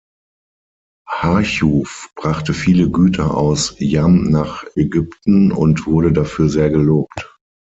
Harchuf brachte viele Güter aus Jam nach Ägypten und wurde dafür sehr gelobt.